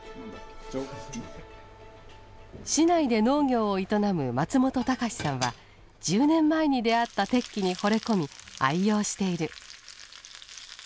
市内で農業を営む松本崇さんは１０年前に出会った鉄器にほれ込み愛用している。